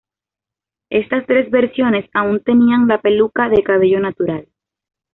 Estas tres versiones aún tenían la peluca de cabello natural.